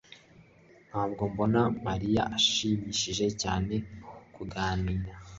Ntabwo mbona mariya ashimishije cyane kuganira